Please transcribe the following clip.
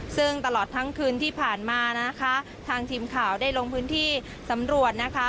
ซึ่งตลอดทั้งคืนที่ผ่านมานะคะทางทีมข่าวได้ลงพื้นที่สำรวจนะคะ